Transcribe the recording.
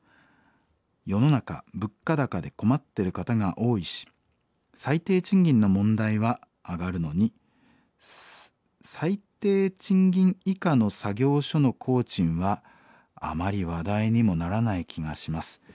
世の中物価高で困ってる方が多いし最低賃金の問題はあがるのに最低賃金以下の作業所の工賃はあまり話題にもならない気がします。